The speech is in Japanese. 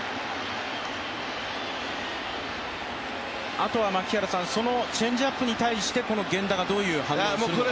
あとはそのチェンジアップに対して源田がどういう反応をするか？